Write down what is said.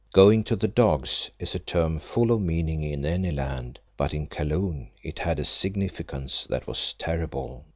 "Going to the dogs" is a term full of meaning in any land, but in Kaloon it had a significance that was terrible.